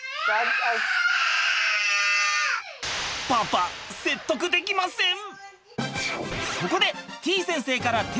パパ説得できません。